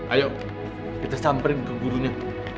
ayo kita samperin ke gurunya